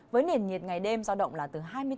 với nền nhiệt ngày đêm do động là từ hai mươi bốn h